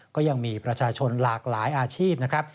ก็ยังมีประชาชนหลากหลายอาชีพนะครับ